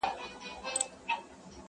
پر سلطان باندي دعاوي اورېدلي!!